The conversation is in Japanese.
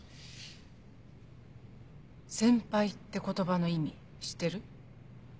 「先輩」って言葉の意味知ってる？